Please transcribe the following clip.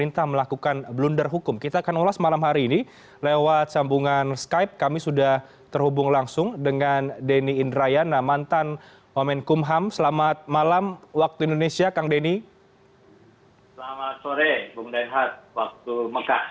selama sore bung denhat waktu mekah